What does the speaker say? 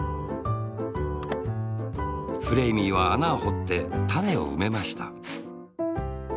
フレーミーはあなをほってたねをうめました。